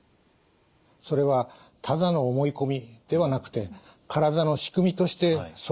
それはただの思い込みではなくて体の仕組みとしてそうなっていきます。